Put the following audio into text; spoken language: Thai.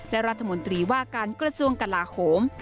และรัฐมนตรีว่าการกระทรวงกลาโหม